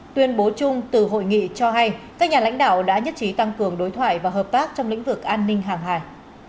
tuyên bố chung từ hội nghị cho hay các nhà lãnh đạo đã nhất trí tăng cường đối thoại và hợp tác trong lĩnh vực an ninh hàng hải